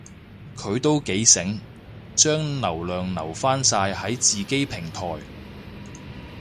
佢都幾醒，將流量留返晒喺自己平台